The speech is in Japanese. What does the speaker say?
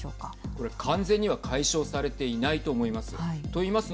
これ、完全には解消されていないと思います。